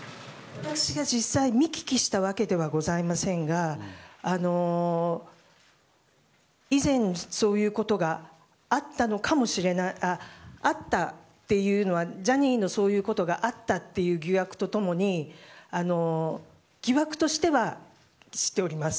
私が実際に見聞きしたわけではございませんが以前、そういうことがあったというのはジャニーのそういうことがあったという疑惑と共に疑惑としては知っております。